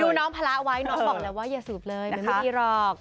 ดูน้องภาระไว้น้องบอกแล้วว่าอย่าสูบเลยมันไม่ดีหรอก